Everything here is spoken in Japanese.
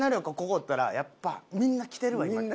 ここおったらやっぱみんな来てるわ今。